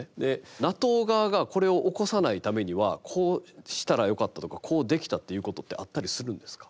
ＮＡＴＯ側がこれを起こさないためにはこうしたらよかったとかこうできたっていうことってあったりするんですか？